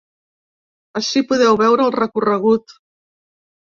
Ací podeu veure el recorregut.